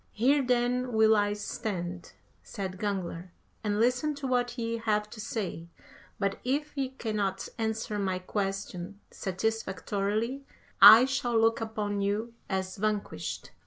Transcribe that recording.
"Here then will I stand," said Gangler, "and listen to what ye have to say, but if ye cannot answer my question satisfactorily I shall look upon you as vanquished."